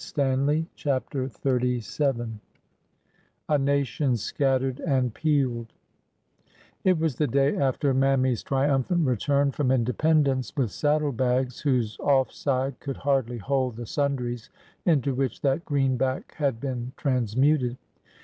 I 4 ' ,4 CHAPTER XXXVII A NATION SCATTERED AND PEELED I T was the day after Mammy's triumphant return from Independence with saddle bags whose off side could hardly hold the sundries into which that greenback had been transmuted.